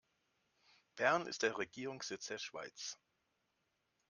Bern ist der Regierungssitz der Schweiz.